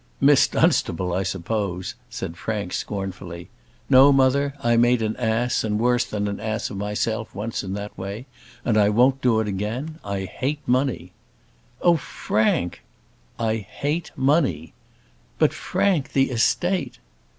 "Miss Dunstable, I suppose," said Frank, scornfully. "No, mother; I made an ass, and worse than an ass of myself once in that way, and I won't do it again. I hate money." "Oh, Frank!" "I hate money." "But, Frank, the estate?"